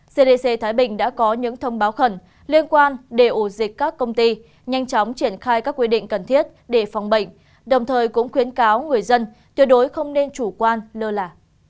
cdc thái bình đã có những thông báo khẩn liên quan để ổ dịch các công ty nhanh chóng triển khai các quy định cần thiết để phòng bệnh đồng thời cũng khuyến cáo người dân tuyệt đối không nên chủ quan lơ là